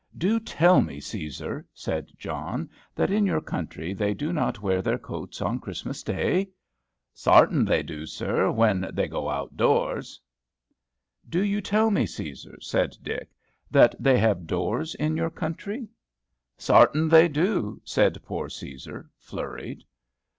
"Do you tell me, Cæsar," said John, "that in your country they do not wear their coats on Christmas day?" "Sartin, they do, sir, when they go out doors." "Do you tell me, Cæsar," said Dick, "that they have doors in your country?" "Sartin, they do," said poor Cæsar, flurried.